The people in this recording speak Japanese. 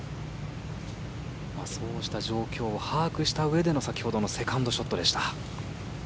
そうした状況を把握したうえでの先ほどのセカンドショットでした。